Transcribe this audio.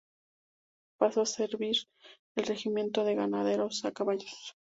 Pasó a servir al Regimiento de Granaderos a caballo.